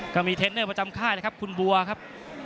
เทรนเนอร์ประจำค่ายนะครับคุณบัวครับ